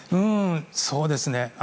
そうですね。